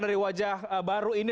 dari wajah baru ini